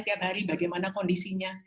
tiap hari bagaimana kondisinya